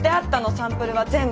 サンプルは全部！